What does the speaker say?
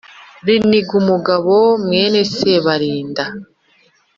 Rinigumugabo mwene Sebarinda